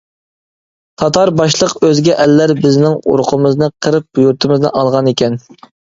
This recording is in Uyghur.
تاتار باشلىق ئۆزگە ئەللەر بىزنىڭ ئۇرۇقىمىزنى قىرىپ، يۇرتىمىزنى ئالغانىكەن.